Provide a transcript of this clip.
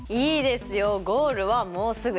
ゴールはもうすぐです。